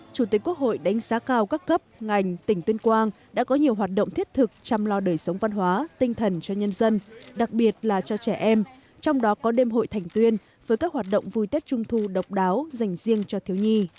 chủ tịch quốc hội đánh giá cao các cấp ngành tỉnh tuyên quang đã có nhiều hoạt động thiết thực chăm lo đời sống văn hóa tinh thần cho nhân dân đặc biệt là cho trẻ em trong đó có đêm hội thành tuyên với các hoạt động vui tết trung thu độc đáo dành riêng cho thiếu nhi